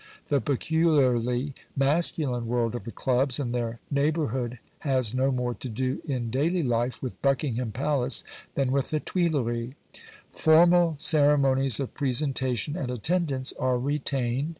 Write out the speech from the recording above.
The peculiarly masculine world of the clubs and their neighbourhood has no more to do in daily life with Buckingham Palace than with the Tuileries. Formal ceremonies of presentation and attendance are retained.